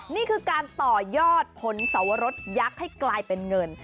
นี่คือการต่อยอดผลสวรสยักษ์ให้กลายเป็นเงิน